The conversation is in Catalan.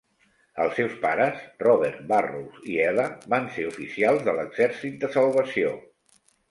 Els seus pares, Robert Burrows i Ella, van ser oficials del Exèrcit de Salvació.